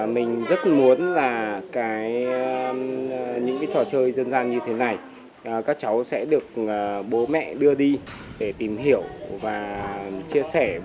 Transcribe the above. mình rất muốn là những trò chơi dân gian như thế này các cháu sẽ được bố mẹ đưa đi để tìm hiểu và chia sẻ